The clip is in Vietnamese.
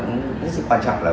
nó sẽ quan trọng là